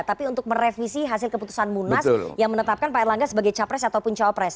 tapi untuk merevisi hasil keputusan munas yang menetapkan pak erlangga sebagai capres ataupun cawapres